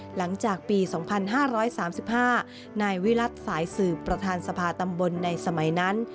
หลังจากปี๒๕๓๕นายวิรัติสายสืบประธานสภาตำบลในสมัยนั้น